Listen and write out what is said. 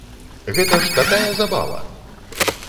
Гэта ж такая забава!